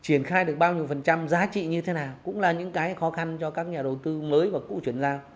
triển khai được bao nhiêu phần trăm giá trị như thế nào cũng là những cái khó khăn cho các nhà đầu tư mới và cũ chuyển giao